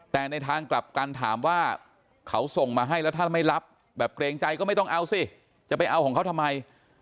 แต่ในทางกลับกันถามว่าเขาส่งมาให้แล้วถ้าไม่รับแบบเกรงใจก็ไม่ต้องเอาสิจะไปเอาของเขาทำไม